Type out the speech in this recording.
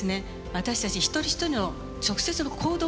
私たち一人一人の直接の行動ですね